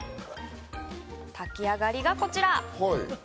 炊き上がりがこちら。